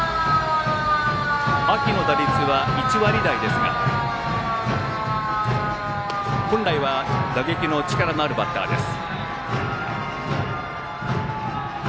秋の打率は、１割台ですが本来は打撃の力のあるバッターです。